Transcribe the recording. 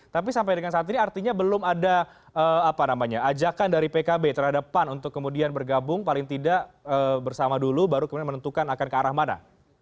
tapi sampai dengan saat ini artinya belum ada ajakan dari pkb terhadap pan untuk kemudian bergabung paling tidak bersama dulu baru kemudian menentukan akan ke arah mana